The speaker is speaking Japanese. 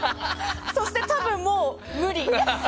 そして多分もう無理。